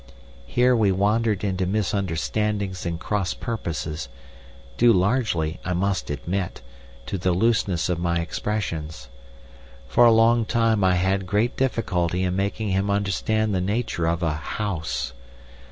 Here we wandered into misunderstandings and cross purposes, due largely, I must admit, to the looseness of my expressions. For a long time I had great difficulty in making him understand the nature of a house.